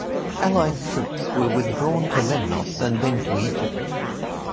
Allied troops were withdrawn to Lemnos and then to Egypt.